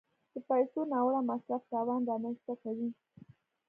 د پیسو ناوړه مصرف تاوان رامنځته کوي.